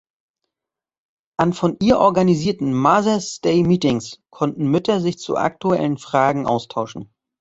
An von ihr organisierten "Mothers Day Meetings" konnten Mütter sich zu aktuellen Fragen austauschen.